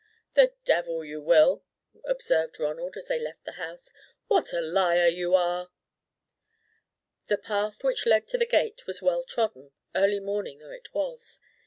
"The devil you will," observed Ronald, as they left the house. "What a liar you are!" The path which led to the gate was well trodden, early morning though it was.